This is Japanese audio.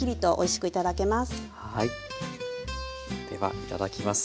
ではいただきます。